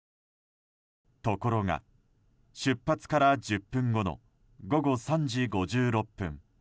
ところが出発から１０分後の午後３時５６分。